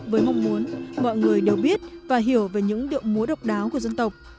với mong muốn mọi người đều biết và hiểu về những điệu múa độc đáo của dân tộc